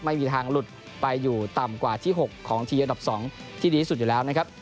ไม่มีทางหลุดไปอยู่ต่ำกว่าที่๖ของทีมอันดับ๒ที่ดีที่สุดอยู่แล้วนะครับ